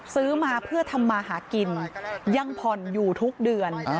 ซื้อมาเพื่อทำมาหากินยังผ่อนอยู่ทุกเดือน